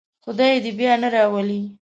خدای دې یې بیا نه راولي.